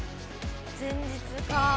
前日かあ。